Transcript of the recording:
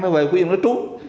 nó về khuyên nó trút